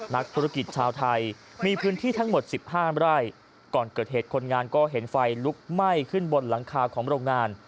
นักธุรกิจชาวไทยมีพื้นที่ทั้งหมดสิบห้าไร่ก่อนเกิดเหตุคนงานก็เห็นไฟลุกไหม้ขึ้นบนหลังคาของโรงงาน